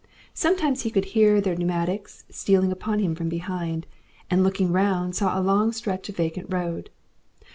Sometimes he could hear their pneumatics stealing upon him from behind, and looking round saw a long stretch of vacant road.